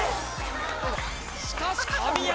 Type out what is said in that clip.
しかし神山